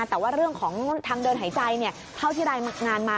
แต่ว่าเรื่องของทางเดินหายใจเท่าที่รายงานมา